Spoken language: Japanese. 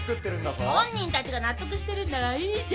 本人たちが納得してるんだからいいじゃん。